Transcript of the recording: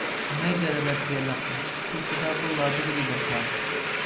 مەیدەرە بەر پێلەقە، توخودا، بڵا بگری بە تاو!